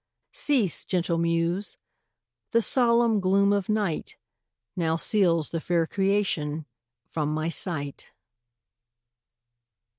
Cease, gentle muse! the solemn gloom of night Now seals the fair creation from my sight.